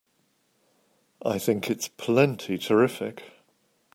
I think it's plenty terrific!